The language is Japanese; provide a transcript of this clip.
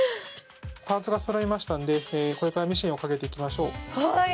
パーツが揃いましたんでこれからミシンをかけていきましょう。